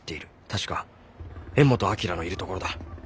確か柄本明のいるところだ。